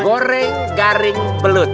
goreng garing belut